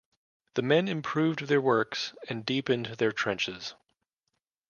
The men improved their works and deepened their trenches.